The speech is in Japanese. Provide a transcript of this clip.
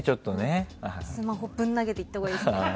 スマホぶん投げて行ったほうがいいですね。